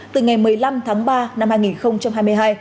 từ ngày một mươi năm tháng ba năm hai nghìn hai mươi hai